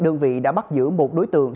đơn vị đã bắt giữ một đối tượng